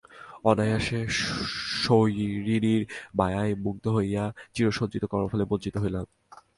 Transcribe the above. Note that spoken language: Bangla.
অনায়াসে স্বৈরিণীর মায়ায় মুগ্ধ হইয়া চিরসঞ্চিত কর্মফলে বঞ্চিত হইলাম।